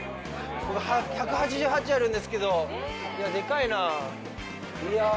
僕、１８８あるんですけど、でかいなあ。